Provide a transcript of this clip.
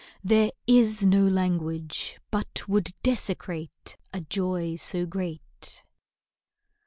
There is no language but would desecrate A joy so great.